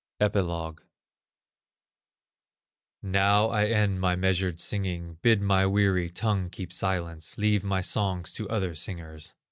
EPILOGUE Now I end my measured singing, Bid my weary tongue keep silence, Leave my songs to other singers.